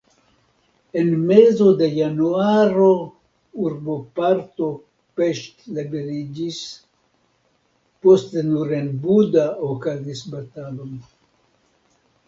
En mezo de januaro urboparto Pest liberiĝis, poste nur en Buda okazis bataloj.